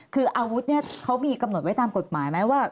คืออาวุธเนี่ยเขามีกำหนดไว้ตามกฎหมายไหมว่า